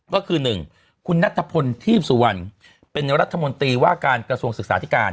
ก็คือ๑คุณนัทพลทีพสุวรรณเป็นรัฐมนตรีว่าการกระทรวงศึกษาธิการ